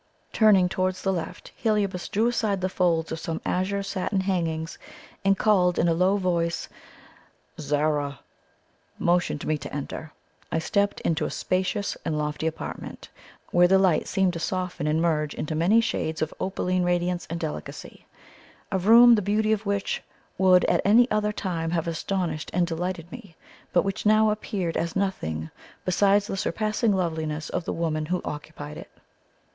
Turning towards the left, Heliobas drew aside the folds of some azure satin hangings, and calling in a low voice "Zara!" motioned me to enter. I stepped into a spacious and lofty apartment where the light seemed to soften and merge into many shades of opaline radiance and delicacy a room the beauty of which would at any other time have astonished and delighted me, but which now appeared as nothing beside the surpassing loveliness of the woman who occupied it.